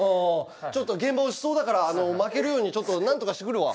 ちょっと現場押しそうだから巻けるようになんとかしてくるわ。